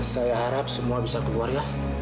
saya harap semua bisa keluar lah